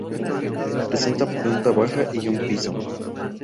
Presenta planta baja y un piso.